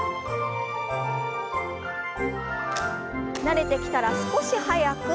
慣れてきたら少し速く。